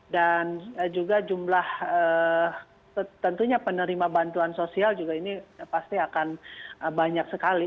dan juga jumlah tentunya penerima bantuan sosial juga ini pasti akan banyak sekali